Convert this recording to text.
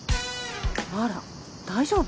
あら大丈夫？